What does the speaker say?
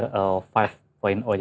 jadi udah versi kelima